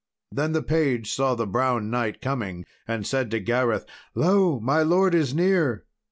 Then the page saw the Brown Knight coming and said to Gareth, "Lo! my lord is near."